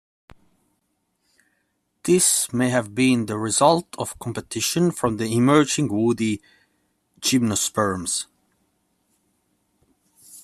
This may have been the result of competition from the emerging woody gymnosperms.